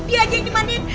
dia aja yang diremanin